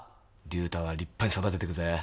竜太は立派に育てていくぜ。